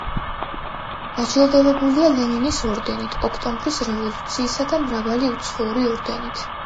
დაჯილდოებულია ლენინის ორდენით, ოქტომბრის რევოლუციისა და მრავალი უცხოური ორდენით.